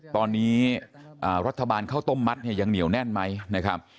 ตอนนี้รัฐบาลข้าวต้มมัดเนี่ยยังเหนียวแน่นไหมนะครับ